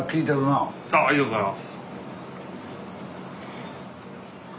ありがとうございます。